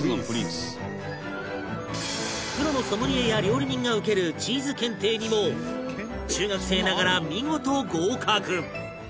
プロのソムリエや料理人が受けるチーズ検定にも中学生ながら見事合格！